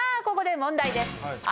ここで問題です。